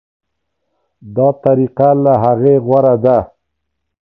دا طریقه له هغې غوره ده.